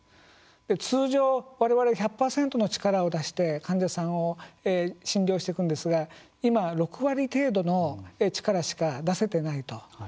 通常、われわれ１００％の力を出して患者さんを診療していくんですが今、６割程度の力しか出せてないと。